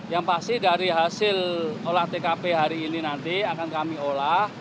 yang pasti dari hasil olah tkp hari ini nanti akan kami olah